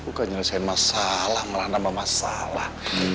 bukan menyelesaikan masalah malah nambah masalah